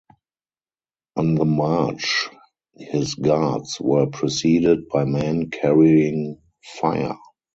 On the march, his guards were preceded by men carrying fire.